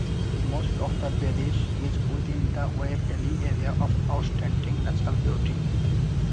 Most of the parish is within the Wye Valley Area of Outstanding Natural Beauty.